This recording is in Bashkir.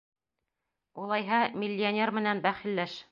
Улайһа, миллионер менән бәхилләш!